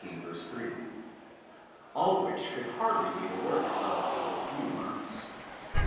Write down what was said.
3), all which could hardly be the work of a few months.